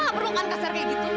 gak perlu kan kasar kayak gitu